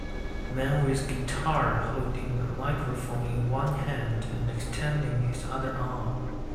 Man with guitar holding a microphone in one hand and extending his other arm.